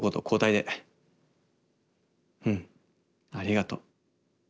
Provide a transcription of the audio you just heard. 『うん。ありがと』